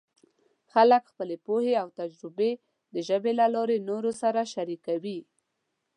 خلک خپلې پوهې او تجربې د ژبې له لارې نورو سره شریکوي.